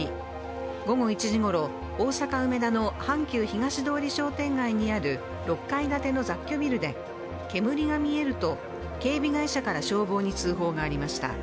午後１時ごろ、大阪・梅田の阪急東通商店街にある６階建ての雑居ビルで、煙が見えると警備会社から消防に通報がありました。